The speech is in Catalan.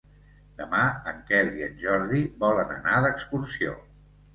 Demà en Quel i en Jordi volen anar d'excursió.